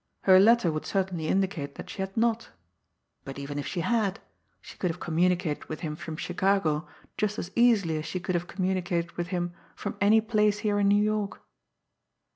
Her letter would certainly indicate that she had not. But even if she had! She could have communicated with him from Chicago just as easily as she could have communicated with him from any place here in New York!